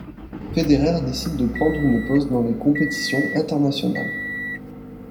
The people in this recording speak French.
Federer décide de prendre une pause dans les compétitions internationales.